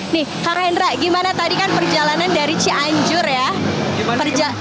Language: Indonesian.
nih kak hendra gimana tadi kan perjalanan dari cianjur ya